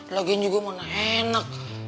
lagian juga mana enak